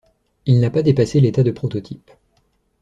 Il n'a pas dépassé l'état de prototype.